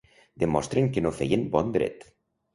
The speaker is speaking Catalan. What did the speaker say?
I demostren que no feien ‘bon dret’.